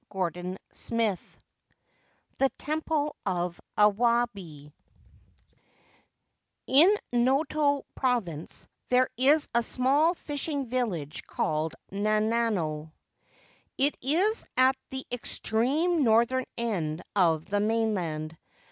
273 35 XLIII THE TEMPLE OF THE AWABI IN Noto Province there is a small fishing village called Nanao. It is at the extreme northern end of the main land.